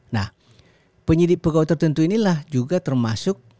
nah penyidik pegawai tertentu inilah juga termasuk